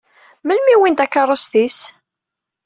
Melmi i wwin takeṛṛust-is?